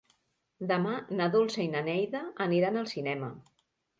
Demà na Dolça i na Neida aniran al cinema.